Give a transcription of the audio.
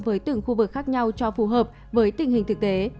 với từng khu vực khác nhau cho phù hợp với tình hình thực tế